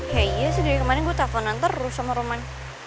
ya iya sih dari kemarin gue telponan terus sama roman